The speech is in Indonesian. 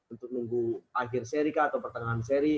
untuk nunggu akhir seri kah atau pertengahan seri